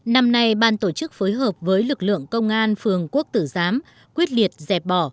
năm nay ban tổ chức phối hợp với lực lượng công an phường quốc tử giám quyết liệt dẹp bỏ